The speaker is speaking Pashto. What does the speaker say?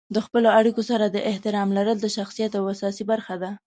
د خپلې اړیکو سره د احترام لرل د شخصیت یوه اساسي برخه ده.